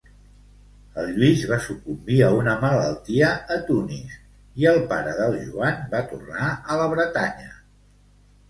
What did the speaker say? El Lluís va sucumbir a una malaltia a Tunis i el pare del Joan va tornar a la Bretanya.